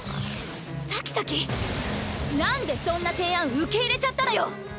サキサキなんでそんな提案受け入れちゃったのよ。